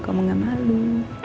kamu gak malu